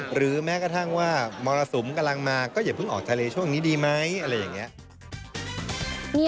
หรือแม้กระทั่งว่ามรสุมกำลังมาก็อย่าเพิ่งออกทะเลช่วงนี้ดีไหมอะไรอย่างนี้